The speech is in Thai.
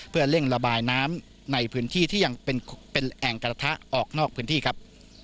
เพื่อเร่งระบายน้ำในพื้นที่ที่ยังเป็นแอ่งกระทะออกนอกพื้นที่ครับ